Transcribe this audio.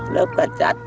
lớp cá chạch